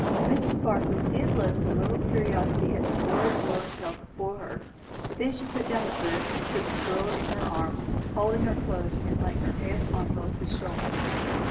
Mrs. Barclay did look with a little curiosity at the words Lois held before her, but then she put down the book and took the girl in her arms, holding her close and laying her own head on Lois's shoulder.